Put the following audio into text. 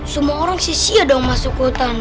semua orang sisi ada yang masuk hutan